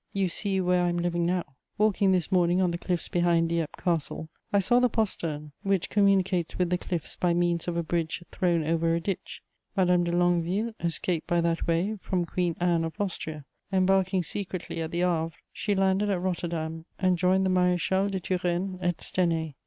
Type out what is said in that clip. You see where I am living now. Walking this morning on the cliffs behind Dieppe Castle, I saw the postern which communicates with the cliffs by means of a bridge thrown over a ditch: Madame de Longueville escaped by that way from Queen Anne of Austria; embarking secretly at the Havre, she landed at Rotterdam, and joined the Maréchal de Turenne at Stenay.